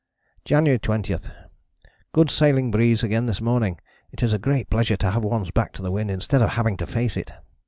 "January 20. Good sailing breeze again this morning. It is a great pleasure to have one's back to the wind instead of having to face it.